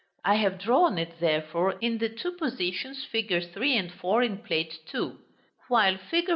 I have drawn it, therefore, in the two positions, figs. 3 and 4 in Plate II.; while fig.